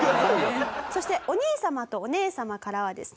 そしてお兄様とお姉様からはですね